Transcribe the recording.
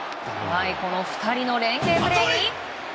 ２人の連係プレーに。